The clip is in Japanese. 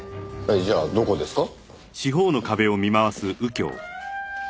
じゃあどこですか？